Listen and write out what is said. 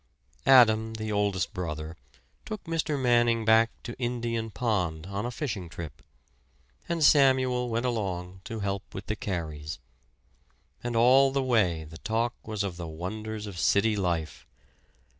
Adam, the oldest brother, took Mr. Manning back to Indian Pond on a fishing trip; and Samuel went along to help with the carries. And all the way the talk was of the wonders of city life.